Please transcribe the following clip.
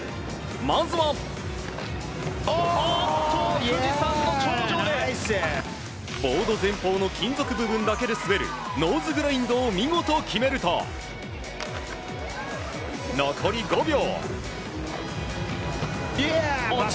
まずはボード前方の金属部分だけで滑るノーズグラインドを見事、決めると残り５秒。